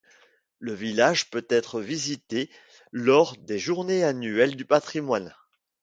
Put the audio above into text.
Le village peut-être visité lors des journées annuelles du patrimoine.